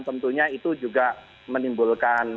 tentunya itu juga menimbulkan